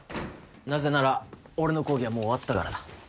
なぜなら俺の講義はもう終わったからだ。